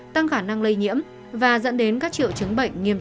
tăng khả năng lây nhiễm và dẫn đến các triệu chứng